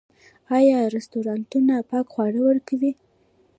آیا رستورانتونه پاک خواړه ورکوي؟